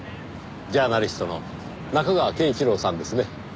ジャーナリストの中川敬一郎さんですね？